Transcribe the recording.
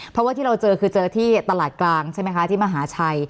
เพราะว่าที่เราเจอคือเจอที่ตลาดกลางใช่ไหมคะที่มหาชัย